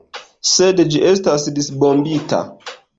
Sed ĝi estas disbombita!